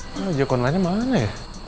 kok aja konelannya mana ya